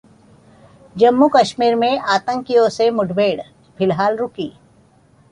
जम्मू-कश्मीर में आतंकियों से मुठभेड़ फिलहाल रुकी